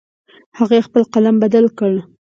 هغې خپل قلم بدل کړ